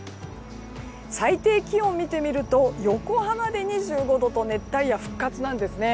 最低気温を見てみると横浜で２５度と熱帯夜復活なんですね。